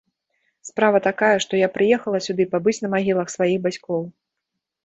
Справа такая, што я прыехала сюды пабыць на магілах сваіх бацькоў.